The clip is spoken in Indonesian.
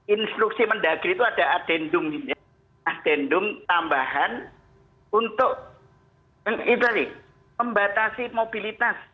instruksi mendagri itu ada adendum adendum tambahan untuk membatasi mobilitas